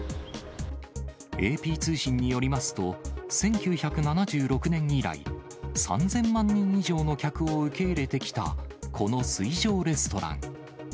ＡＰ通信によりますと、１９７６年以来、３０００万人以上の客を受け入れてきたこの水上レストラン。